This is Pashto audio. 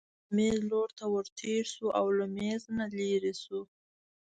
د مېز لور ته ورتېر شو او له مېز نه لیرې شو.